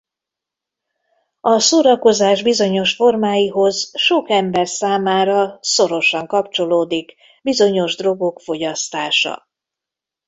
A szórakozás bizonyos formáihoz sok ember számára szorosan kapcsolódik bizonyos drogok fogyasztása.